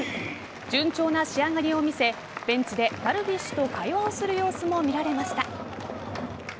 順調な仕上がりを見せベンチでダルビッシュと会話をする様子も見られました。